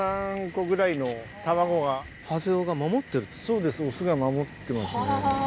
そうですオスが守ってますね。